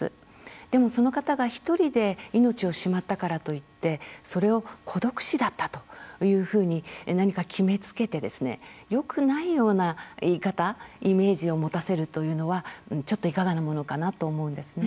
でも、その方がひとりで命をしまったからといってそれを孤独死だったというふうに何か決めつけてですねよくないような言い方イメージを持たせるというのはちょっといかがなものかと思うんですね。